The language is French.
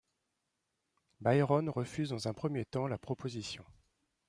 Byron refuse dans un premier temps la proposition.